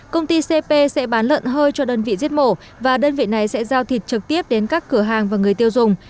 công ty cp sẽ bán lợn hơi cho đơn vị giết mổ và đơn vị này sẽ giao thịt trực tiếp đến các cửa hàng và người tiêu dùng